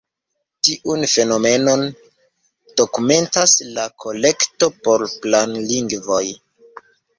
Tiun fenomenon dokumentas la Kolekto por Planlingvoj.